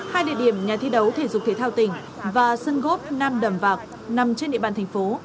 hai địa điểm nhà thi đấu thể dục thể thao tỉnh và sân gốc nam đầm vạc nằm trên địa bàn thành phố